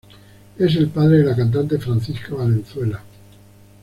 Es el padre de la cantante Francisca Valenzuela.